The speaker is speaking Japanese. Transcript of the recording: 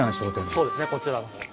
そうですねこちら。